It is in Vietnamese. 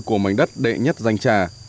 của mảnh đất đệ nhất danh trà